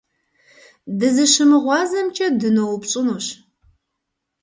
ДызыщымыгъуазэмкӀэ дыноупщӀынущ.